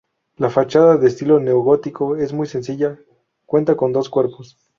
La fachada, de estilo neogótico es muy sencilla, cuenta con dos cuerpos.